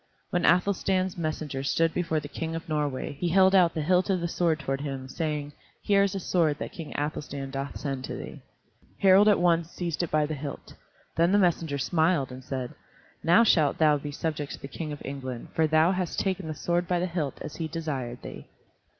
When Athelstan's messenger stood before the King of Norway he held out the hilt of the sword toward him, saying "Here is a sword that King Athelstan doth send to thee." Harald at once seized it by the hilt. Then the messenger smiled and said, "Now shalt thou be subject to the King of England, for thou hast taken the sword by the hilt as he desired thee."